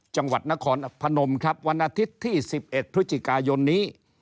จังหวัดนครพนมครับวันอาทิตย์ที่๑๑พฤศจิกายนนี้